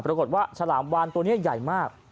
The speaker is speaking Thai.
ปรากฏว่าฉลามวานตัวนี้ใหญ่มาก